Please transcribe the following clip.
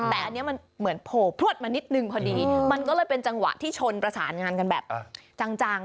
แต่อันนี้มันเหมือนโผล่พลวดมานิดนึงพอดีมันก็เลยเป็นจังหวะที่ชนประสานงานกันแบบจัง